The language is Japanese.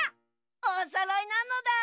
おそろいなのだ。